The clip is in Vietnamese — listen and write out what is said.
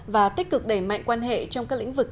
và tích cực đẩy mạnh quan hệ trong các lĩnh vực